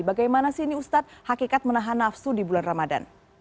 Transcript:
bagaimana sih ini ustadz hakikat menahan nafsu di bulan ramadan